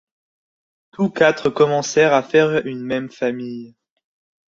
Tous quatre commencèrent à faire une même famille.